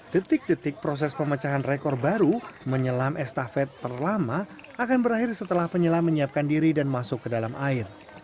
detik detik proses pemecahan rekor baru menyelam estafet terlama akan berakhir setelah penyelam menyiapkan diri dan masuk ke dalam air